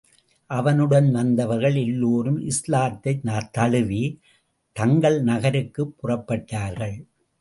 அவனுடன் வந்தவர்கள் எல்லோரும் இஸ்லாத்தைத் தழுவி, தங்கள் நகருக்குப் புறப்பட்டார்கள்.